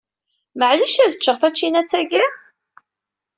Maɛlic ad ččeɣ tačinat-agi?